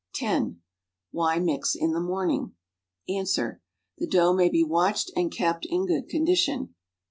(10) Why mix in the morning? Ans. The d(jugh may l.)e walched and kept m good condition.